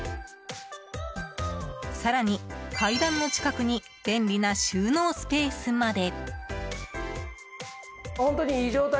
更に、階段の近くに便利な収納スペースまで。